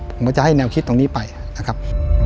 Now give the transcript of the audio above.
ผมก็จะให้แนวคิดตรงนี้ไปนะครับ